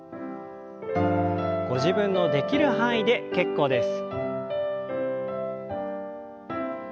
ご自分のできる範囲で結構です。